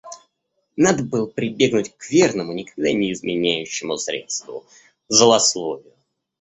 Надо было прибегнуть к верному, никогда не изменяющему средству — злословию.